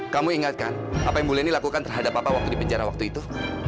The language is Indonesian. kamu ingatkan apa yang bu leni lakukan terhadap apa waktu di penjara waktu itu